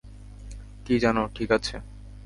কি জানো, ঠিক আছে।